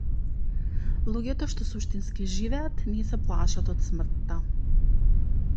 Луѓето што суштински живеат не се плашат од смртта.